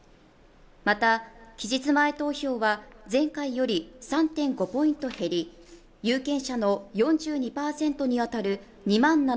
また期日前投票は前回より３．５ポイント減り有権者の４２％に当たる